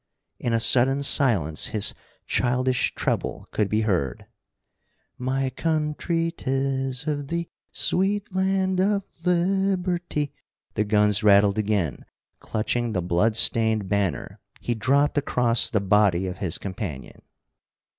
In a sudden silence his childish treble could be heard: My country, 'tis of thee Sweet land of lib er ty The guns rattled again. Clutching the blood stained banner, he dropped across the body of his companion.